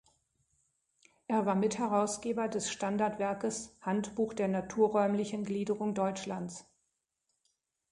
Er war Mitherausgeber des Standardwerkes Handbuch der naturräumlichen Gliederung Deutschlands.